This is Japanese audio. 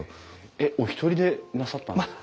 えっお一人でなさったんですか？